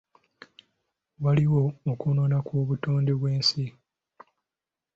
Waliwo okwonoona kw'obutonde bw'ensi.